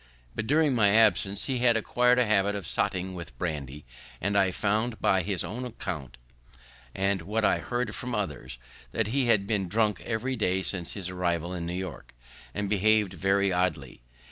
But, during my absence, he had acquir'd a habit of sotting with brandy; and I found by his own account, and what I heard from others, that he had been drunk every day since his arrival at New York, and behav'd very oddly.